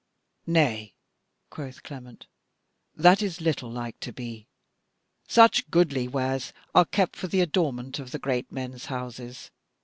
"Nay," quoth Clement, "that is little like to be; such goodly wares are kept for the adornment of great men's houses.